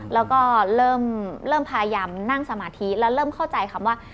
แล้วก็เริ่มพยายามนั่งสมาธิแล้วเริ่มเข้าใจคำว่า